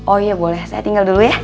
oh iya boleh saya tinggal dulu ya